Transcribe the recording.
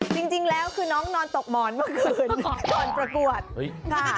จริงแล้วคือน้องนอนตกหมอนเมื่อคืน